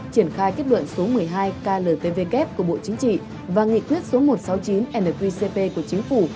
triển khai kết luận số một mươi hai kltvk của bộ chính trị và nghị quyết số một trăm sáu mươi chín nqcp của chính phủ